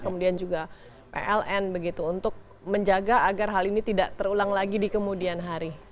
kemudian juga pln begitu untuk menjaga agar hal ini tidak terulang lagi di kemudian hari